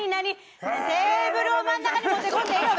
テーブルを真ん中に持ってこんでええよ